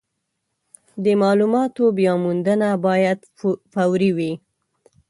د مالوماتو بیاموندنه باید فوري وي.